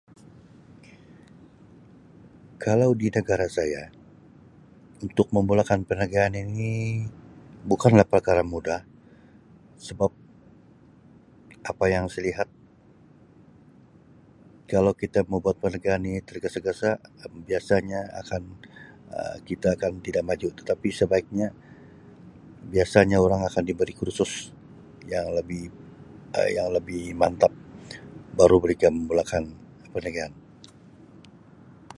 Kalau di negara saya untuk memulakan perniagaan ini bukan lah perkara mudah sebab apa yang saya lihat kalau kita mau buat perniagaan ini tergesa-gesa biasanya akan Um kita akan tidak maju tetapi sebaiknya biasanya orang akan diberi kursus yang lebih Um yang lebih mantap baru mereka memulakan perniagaan.